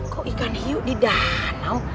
kok ikan hiu di danau